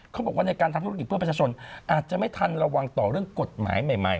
เขาบอกว่าในการทำธุรกิจเพื่อประชาชนอาจจะไม่ทันระวังต่อเรื่องกฎหมายใหม่